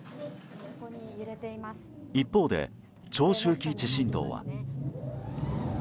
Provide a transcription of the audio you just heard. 一方で長周期地震動は。